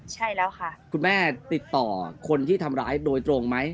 ใช่แล้วค่ะคุณแม่ติดต่อคนที่ทำร้ายโดยตรงไหม